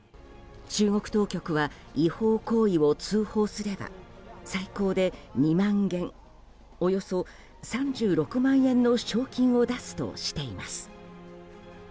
中国当局は違法行為を通報すれば最高で２万元、およそ３６万円の賞金を出すとしています。